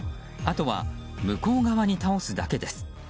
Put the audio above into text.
あとは向こう側に倒すだけです。